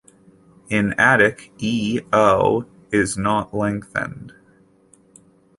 In Attic, "e, o" is not lengthened.